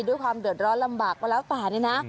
ด้วยความเดือดร้อนลำบากก็แล้วแต่เนี่ยนะ